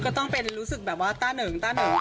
ก็ต้องรู้สึกต้าเหนิงอย่างนี้เหรอ